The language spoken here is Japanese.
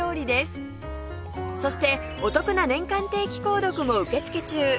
そしてお得な年間定期購読も受け付け中